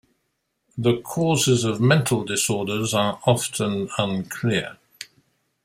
The causes of mental disorders are often unclear.